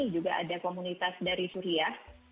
juga ada komunitas dari suriah